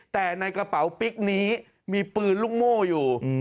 แต่ในกระเป๋าปิ๊กนี้มีปืนลูกโม่อยู่